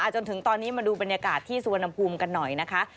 จนถึงตอนนี้มาดูบรรยากาศที่สุวรรณภูมิกันหน่อยนะคะ